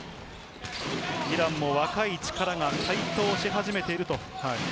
イランも若い力が台頭し始めている。